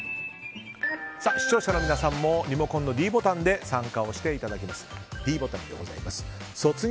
視聴者の皆さんもリモコンのｄボタンで参加をしていただきます。